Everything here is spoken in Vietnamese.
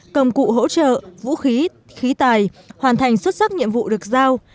công cụ hỗ trợ vũ khí khí tài hoàn thành xuất sắc nhiệm vụ được giao